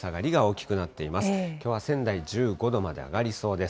きょうは仙台１５度まで上がりそうです。